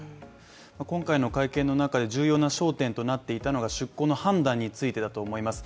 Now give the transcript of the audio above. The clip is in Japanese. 今回の会見の中で重要な焦点となっていたのが出航の判断についてだと思います。